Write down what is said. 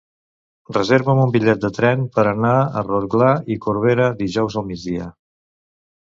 Reserva'm un bitllet de tren per anar a Rotglà i Corberà dijous al migdia.